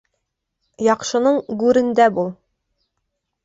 Яҡшының гүрендә бул.